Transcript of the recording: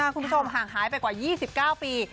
คุณผู้ชมห่างหายไปกว่า๒๙ปี